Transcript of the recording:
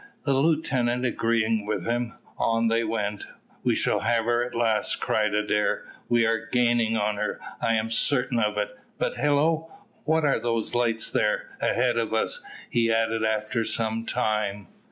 The lieutenant agreeing with him, on they went. "We shall have her at last," cried Adair; "we are gaining on her, I am certain of it. But hillo! what are those lights there, ahead of us?" he added after some time.